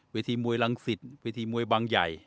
เวทีมวยรังสิตเวทีมวยบางใหญ่